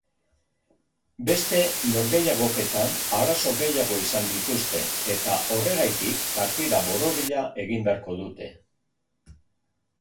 Beste norgehigoketan arazo gehiago izan dituzte eta horregaitik partida borobila egin beharko dute.